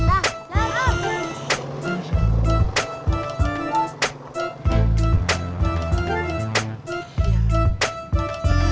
makasih mas pur